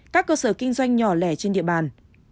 các cơ sở kinh doanh nhỏ lẻ trên địa bàn